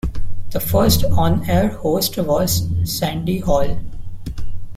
The first on-air host was Sandi Hall.